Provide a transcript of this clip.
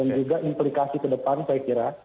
dan juga implikasi kedepan saya kira